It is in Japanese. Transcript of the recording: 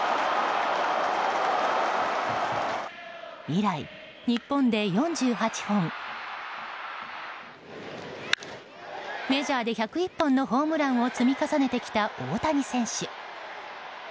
以来、日本で４８本メジャーで１０１本のホームランを積み重ねてきた大谷選手。